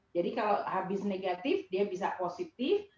kalau habis negatif dia bisa positif